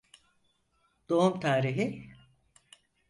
Doğum tarihi?